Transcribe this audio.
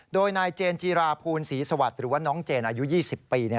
โดยนายเจนจีราภูลศรีสวัสดิ์หรือว่าน้องเจนอายุ๒๐ปี